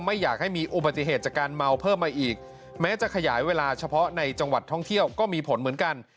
ไม่อยากให้มีอุบัติเหตุจากการเมาเพิ่มมาอีกแม้จะขยายเวลาเฉพาะในจังหวัดท่องเที่ยวก็มีผลเหมือนกัน